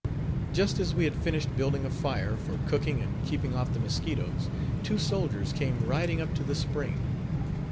Just as we had finished building a fire, for cooking and keeping off the mosquitoes, two soldiers came riding up to the spring.